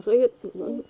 hai temen menggondol